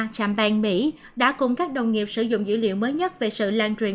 trạm bàn mỹ đã cùng các đồng nghiệp sử dụng dữ liệu mới nhất về sự lan truyền